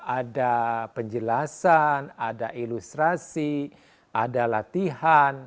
ada penjelasan ada ilustrasi ada latihan